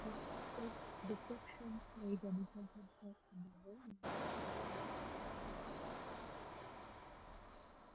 Deception played an important part in the war in North Africa.